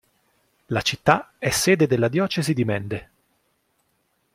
La città è sede della diocesi di Mende.